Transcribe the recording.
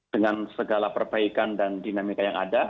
dengan segala perbaikan dan dinamika yang ada